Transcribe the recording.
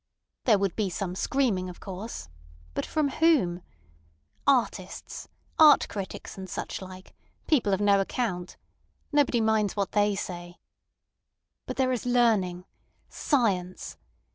There would be some screaming of course, but from whom? Artists—art critics and such like—people of no account. Nobody minds what they say. But there is learning—science.